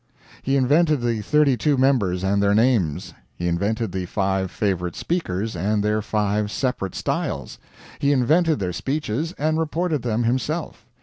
He invented the thirty two members and their names. He invented the five favorite speakers and their five separate styles. He invented their speeches, and reported them himself.